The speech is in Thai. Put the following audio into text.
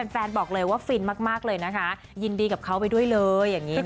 แฟนบอกเลยว่าฟินมากเลยนะคะยินดีกับเขาไปด้วยเลยอย่างนี้นะคะ